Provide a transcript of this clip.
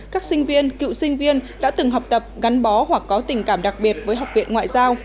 các sinh viên cựu sinh viên đã từng học tập gắn bó hoặc có tình cảm đặc biệt với học viện ngoại giao